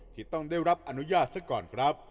ที่ต้องได้รับอนุญาตซะก่อนครับ